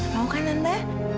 mau kan tante